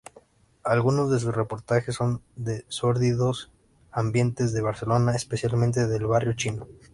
Algunos de sus reportajes son de sórdidos ambientes de Barcelona, especialmente del Barrio Chino.